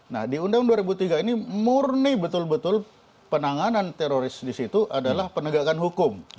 nah di undang undang dua ribu tiga ini murni betul betul penanganan teroris di situ adalah penegakan hukum